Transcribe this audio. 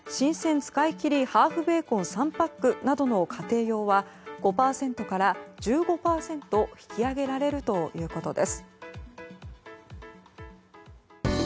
使い切りハーフベーコン３パックなどの家庭用は５％から１５％引き上げられるということです。